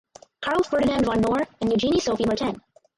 Karl Ferdinand von Knorr and Eugenie Sophie Merten.